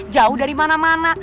jauh dari mana mana